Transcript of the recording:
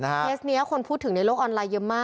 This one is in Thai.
เคสนี้คนพูดถึงในโลกออนไลน์เยอะมาก